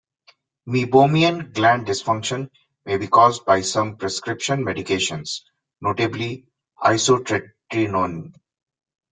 Meibomian gland dysfunction may be caused by some prescription medications, notably isotretinoin.